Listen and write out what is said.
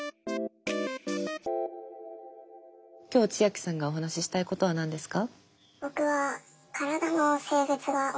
今日チアキさんがお話ししたいことは何ですか？